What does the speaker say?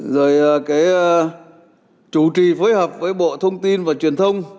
rồi cái chủ trì phối hợp với bộ thông tin và truyền thông